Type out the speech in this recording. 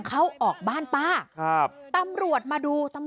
สุดทนแล้วกับเพื่อนบ้านรายนี้ที่อยู่ข้างกัน